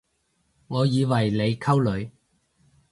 我以為你溝女